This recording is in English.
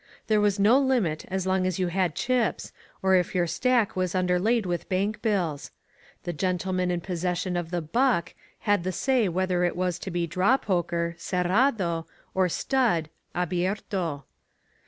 There was no limit as long as you had chips, or if your stack was underlaid with bank bills. The gentleman in possession of the "buck" had the say whether it was to be draw poker {cerrado) or stud (abierto).